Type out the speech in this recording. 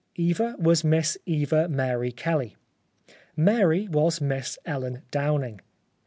" Eva " was Miss Eva Mary Kelly. " Mary " was Miss Ellen Downing.